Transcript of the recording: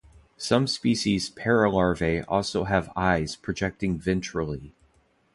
Some species' paralarvae also have eyes projecting ventrally.